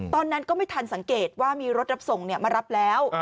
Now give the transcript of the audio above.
ตอนนั้นก็ไม่ทันสังเกตว่ามีรถรับส่งมารับแล้ว